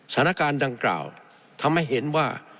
สถานการณ์ดังกล่าวทำให้เห็นว่า